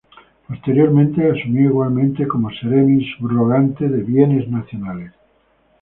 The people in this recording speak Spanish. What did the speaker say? Posteriormente asumió igualmente como Seremi subrogante de Bienes Nacionales.